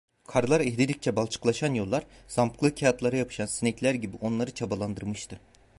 Karlar eridikçe balçıklaşan yollar, zamklı kağıtlara yapışan sinekler gibi onları çabalandırmıştı…